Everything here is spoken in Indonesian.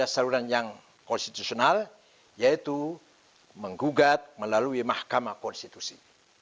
saluran yang konstitusional yaitu menggugat melalui mahkamah konstitusi